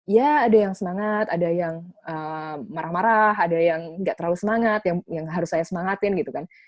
ya ada yang semangat ada yang marah marah ada yang nggak terlalu semangat yang harus saya semangatin gitu kan